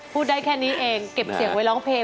พูดได้แค่นี้เองเก็บเสียงไว้ร้องเพลง